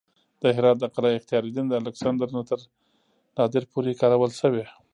د هرات د قلعه اختیارالدین د الکسندر نه تر نادر پورې کارول شوې